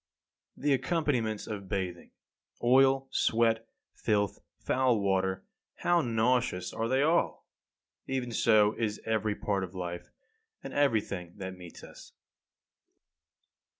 24. The accompaniments of bathing: oil, sweat, filth, foul water how nauseous are they all! Even so is every part of life, and everything that meets us.